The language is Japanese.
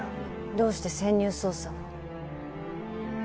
どうして潜入捜査を？